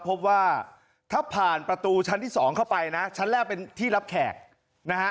พบว่าถ้าผ่านประตูชั้นที่สองเข้าไปนะชั้นแรกเป็นที่รับแขกนะฮะ